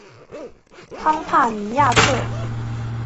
康帕尼亚克。